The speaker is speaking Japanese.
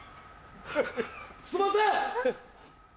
すいません！